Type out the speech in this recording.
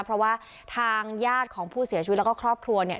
เพราะว่าทางญาติของผู้เสียชีวิตแล้วก็ครอบครัวเนี่ย